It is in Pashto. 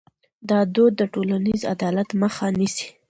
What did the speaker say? دا دود د ټولنیز عدالت مخه نیسي.